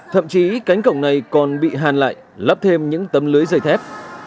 thậm chí cánh cổng này còn bị hàn lại lắp thêm những tấm lưới dày thép